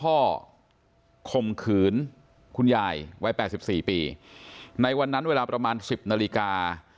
ข่มขืนคุณยายวัย๘๔ปีในวันนั้นเวลาประมาณ๑๐นาฬิกา